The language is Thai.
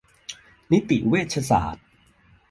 นิติเวชศาสตร์